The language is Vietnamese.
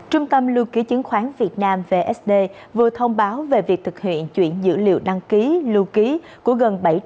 trung tâm lưu ký chứng khoán việt nam vừa thông báo về việc thực hiện chuyển dữ liệu đăng ký lưu ký của gần bảy trăm một mươi triệu cổ phiếu flc